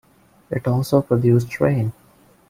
It also produced rain.